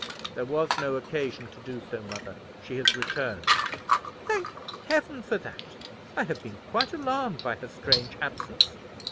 "There was no occasion to do so, mother; she has returned." "Thank Heaven for that! I have been quite alarmed by her strange absence."